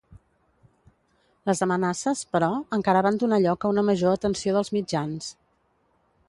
Les amenaces, però, encara van donar lloc a una major atenció dels mitjans.